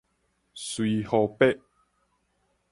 隨予白